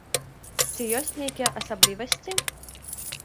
Ці ёсць нейкія асаблівасці?